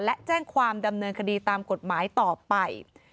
และแจ้งความดำเนินคดีตามกฎหมายต่อไป